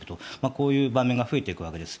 こういう場面が増えていくわけです。